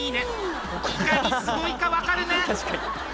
いかにすごいか分かるね！